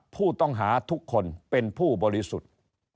ผู้ต้องหาทุกคนเป็นผู้บริสุทธิ์